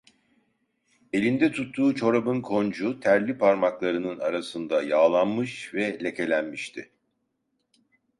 Elinde tuttuğu çorabın koncu, terli parmaklarının arasında yağlanmış ve lekelenmişti.